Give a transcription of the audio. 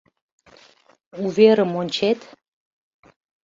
«Уверым» ончет?